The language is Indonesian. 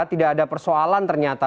tidak ada persoalan ternyata